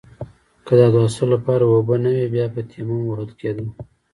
که د اوداسه لپاره اوبه نه وي بيا به تيمم وهل کېده.